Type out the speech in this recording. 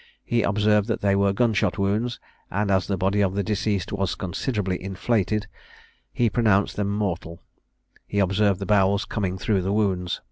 He observed that they were gun shot wounds; and as the body of the deceased was considerably inflated, he pronounced them mortal: he observed the bowels coming through the wounds.